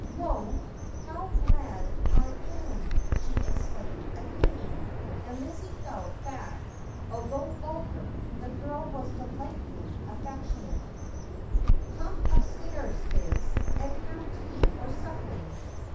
' Lor, how glad I am !' she exclaimed again, aud Lizzie felt that, although vulgar, the girl was delightfully affectionate. Come upstairs, Liz, and have tea or something.